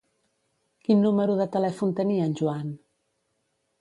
Quin número de telèfon tenia en Joan?